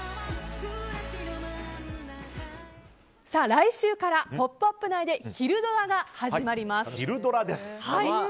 来週から「ポップＵＰ！」内でひるドラ！が始まります。